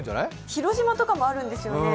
広島とかもあるんですよね